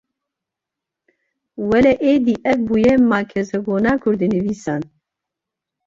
Wele êdî ev bûye makezagona kurdînivîsan.